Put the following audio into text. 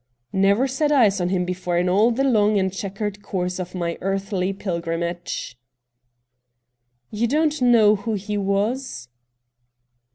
' Never set eyes on him before in all the long and chequered course of my earthly pilgrimage.' ' You don't know who he was